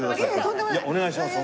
いやお願いします